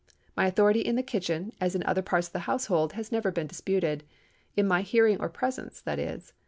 My authority in the kitchen, as in other parts of the household, has never been disputed—in my hearing or presence, that is.